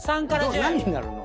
何になるの？